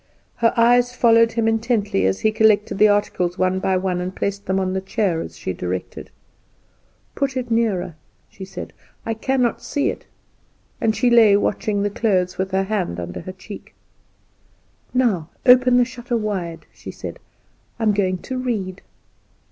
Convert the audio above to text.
Her eyes followed him intently as he collected the articles one by one, and placed them on the chair as she directed. "Put it nearer," she said, "I cannot see it;" and she lay watching the clothes, with her hand under her cheek. "Now open the shutter wide," she said; "I am going to read."